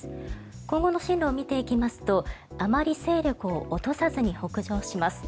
今後の進路を見てみますとあまり勢力を落とさずに北上します。